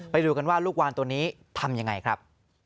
ไปดูกันว่าลูกวานตัวนี้ทำยังไงครับ